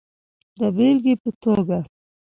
د بیلګی په توکه